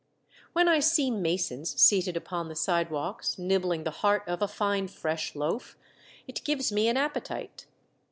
When I see masons seated upon the sidewalks, nibbling the heart of a fine fresh loaf, it gives me an appetite.